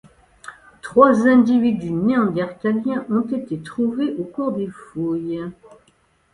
Trois individus néandertaliens ont été trouvés au cours des fouilles.